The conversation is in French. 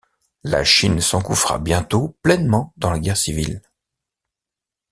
La Chine s'engouffra bientôt pleinement dans la guerre civile.